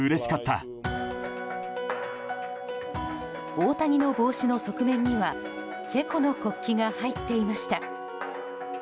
大谷の帽子の側面にはチェコの国旗が入っていました。